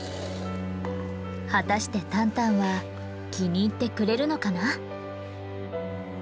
果たしてタンタンは気に入ってくれるのかな？